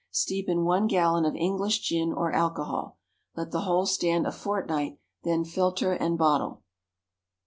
Steep in one gallon of English gin or alcohol. Let the whole stand a fortnight, then filter and bottle.